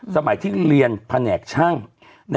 เราก็มีความหวังอะ